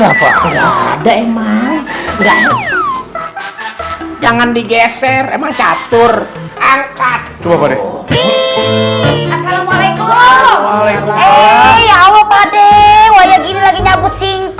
waduh apa ada emang jangan digeser emang catur angkat